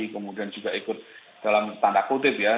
kemudian juga ikut dalam tanda kutip ya